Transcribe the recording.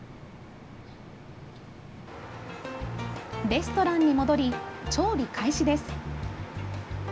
レストランに戻り調理開始です。